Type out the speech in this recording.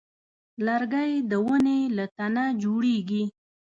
لرګی د ونې له تنه جوړېږي.